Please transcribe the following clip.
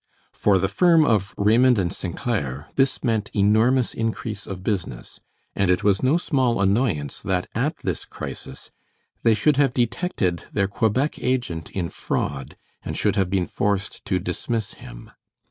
For the firm of Raymond & St. Clair this meant enormous increase of business, and it was no small annoyance that at this crisis they should have detected their Quebec agent in fraud, and should have been forced to dismiss him.